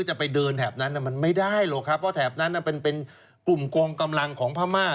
จะไปเดินแถบนั้นมันไม่ได้หรอกครับเพราะแถบนั้นเป็นกลุ่มกองกำลังของพม่า